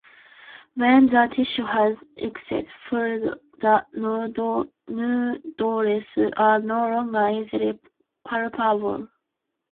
When the tissue has excess fluid the nodules are no longer easily palpable.